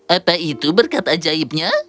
apa itu berkat ajaibnya